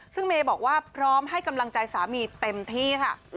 ซึ่งเมย์บอกว่าพร้อมให้กำลังใจสามีเต็มที่ค่ะ